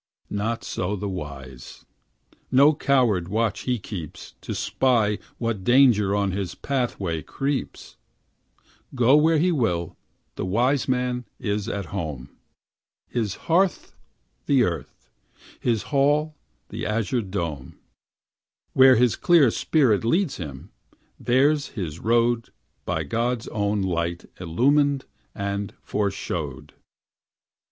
Not so the wise; no coward watch he keeps To spy what danger on his pathway creeps; Go where he will, the wise man is at home, His hearth the earth, his hall the azure dome; Where his clear spirit leads him, there's his road By God's own light illumined and foreshowed.